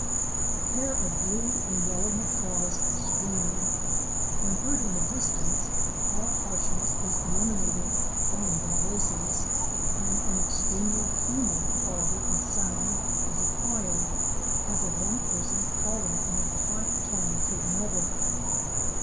A pair of Blue and yellow Macaws®! screamed. When heard in the distance, all harshness is eliminated from their voices, and an extremely human quality of sound is acquired, as of one person calling in a high tone to another.